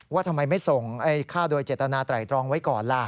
ว่าทำไมไม่ส่งฆ่าโดยเจตนาไตรตรองไว้ก่อนล่ะ